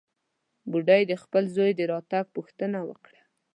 بوډۍ د خپل زوى د راتګ پوښتنه وکړه.